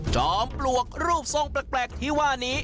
จอมปลวกรูปทรงแปลกที่ว่านี้